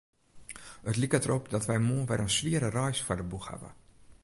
It liket derop dat wy moarn wer in swiere reis foar de boech hawwe.